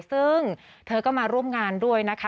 ซึ่งเธอก็มาร่วมงานด้วยนะคะ